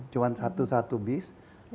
cuma satu bis